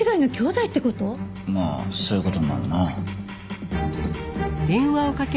まあそういう事になるな。